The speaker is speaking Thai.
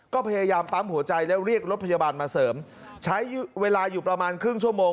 ก็พยายามปั๊มหัวใจแล้วเรียกรถพยาบาลมาเสริมใช้เวลาอยู่ประมาณครึ่งชั่วโมง